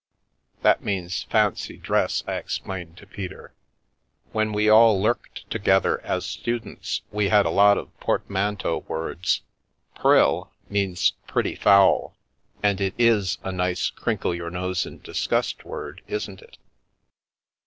"" That means fancy dress," I explained to Peter. " When we all lurked together as students we had a lot of portmanteau words. ' Prill ' means ' pretty foul/ and it is a nice crinkle your nose in disgust word, isn't it?"